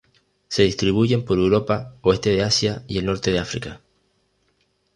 Se distribuyen por Europa, oeste de Asia y el norte de África.